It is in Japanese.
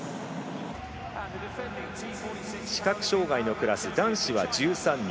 視覚障がいのクラス男子は１３人。